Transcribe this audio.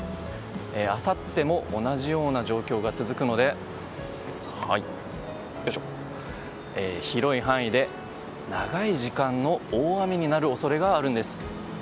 あさっても同じような状況が続くので広い範囲で長い時間の大雨になる恐れがあるんです。